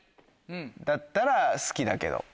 だったら「好き」だけど。